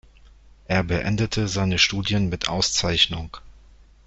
Er beendete seine Studien mit Auszeichnung.